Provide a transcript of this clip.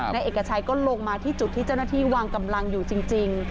นายเอกชัยก็ลงมาที่จุดที่เจ้าหน้าที่วางกำลังอยู่จริง